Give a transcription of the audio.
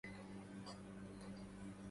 ما زلت في سكري أجمش كفها